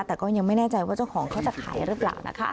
แต่ก็ยังไม่แน่ใจว่าเจ้าของเขาจะขายหรือเปล่านะคะ